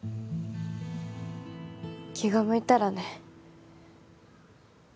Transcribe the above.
気が向いたらね。